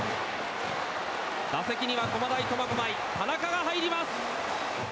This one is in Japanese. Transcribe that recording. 打席には駒大苫小牧、田中が入ります！